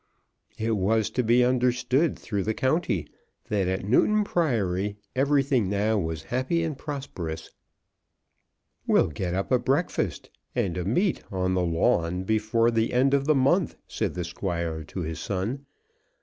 It was to be understood through the county that at Newton Priory everything now was happy and prosperous. "We'll get up a breakfast and a meet on the lawn before the end of the month," said the Squire to his son.